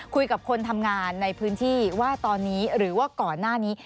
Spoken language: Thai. คุยกับคนทำงานในพื้นที่ว่าตอนนี้หรือว่าก่อนหน้านี้